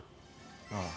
ああ。